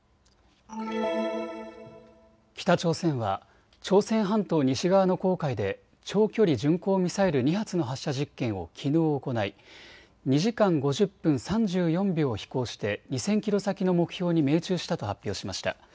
北朝鮮は朝鮮半島西側の黄海で長距離巡航ミサイル２発の発射実験をきのう行い２時間５０分３４秒飛行して２０００キロ先の目標に命中したと発表しました。